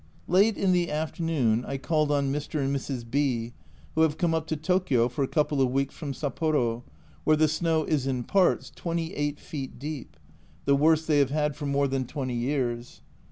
Late in the afternoon I called on Mr. and Mrs. B , who have come up to Tokio for a couple of weeks from Sapporo, where the snow is in parts 28 feet deep the worst they have had for more than twenty years.